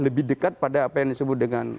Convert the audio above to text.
lebih dekat pada apa yang disebut dengan